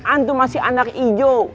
antum masih anak ijo